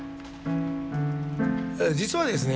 実はですね